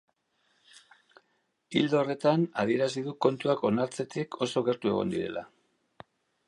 Ildo horretan, adierazi du kontuak onartzetik oso gertu egon direla.